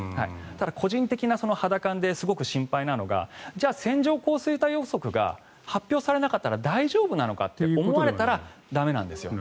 ただ、個人的な肌感ですごく心配なのは線状降水帯予測が発表されなかったら大丈夫なのかと思われたら駄目なんですよ。